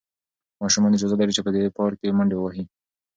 ماشومان اجازه لري چې په دې پارک کې منډې ووهي.